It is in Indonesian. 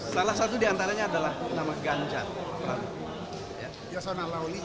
salah satu di antaranya adalah nama ganjar pranowo